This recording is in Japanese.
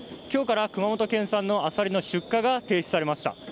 きょうから熊本県産のアサリの出荷が停止されました。